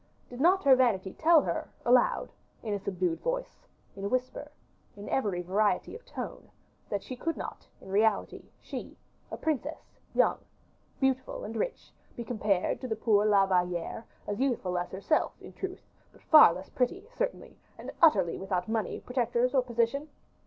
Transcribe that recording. Did not her vanity tell her, aloud, in a subdued voice, in a whisper, in every variety of tone, that she could not, in reality, she a princess, young, beautiful, and rich, be compared to the poor La Valliere, as youthful as herself it is true, but far less pretty, certainly, and utterly without money, protectors, or position?